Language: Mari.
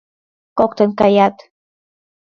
Коктын каят.